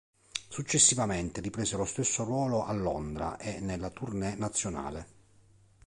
Successivamente riprese lo stesso ruolo a Londra e nella tournée nazionale.